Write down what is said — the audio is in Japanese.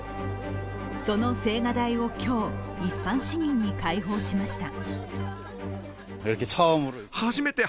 その青瓦台を今日、一般市民に開放しました。